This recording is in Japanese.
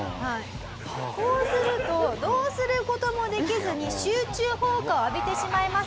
こうするとどうする事もできずに集中砲火を浴びてしまいます。